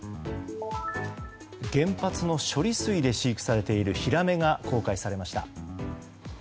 原発の処理水で飼育されているヒラメが公開されました。